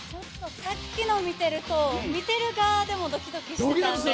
さっきのを見ていると、見ている側でもドキドキしたんで。